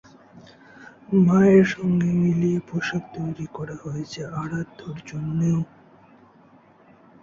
মায়ের সঙ্গে মিলিয়ে পোশাক তৈরি করা হয়েছে আরাধ্যর জন্যও।